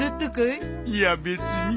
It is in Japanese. いや別に。